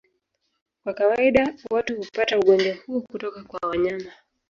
Kwa kawaida watu hupata ugonjwa huo kutoka kwa wanyama.